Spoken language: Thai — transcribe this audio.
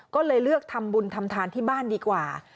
ก็เลยเลือกทำบุญทำทานที่บ้านดีกว่า